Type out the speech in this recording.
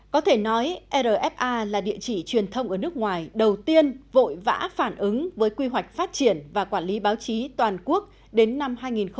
có thể nói rfa là địa chỉ truyền thông ở nước ngoài đầu tiên vội vã phản ứng với quy hoạch phát triển và quản lý báo chí toàn quốc đến năm hai nghìn ba mươi